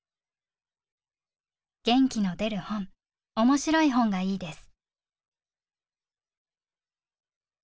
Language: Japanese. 「『元気の出る本』、『面白い本』がいいです」。